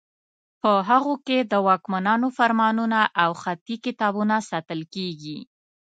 په هغو کې د واکمنانو فرمانونه او خطي کتابونه ساتل کیږي.